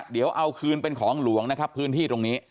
เดี๋ยวเอาคืนเป็นของหลวงนะครับพื้นที่ตรงนี้